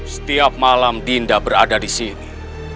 setiap malam dinda berada disini